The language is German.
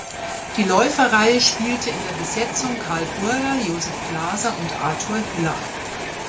Die Läuferreihe spielte in der Besetzung Karl Burger, Josef Glaser und Arthur Hiller.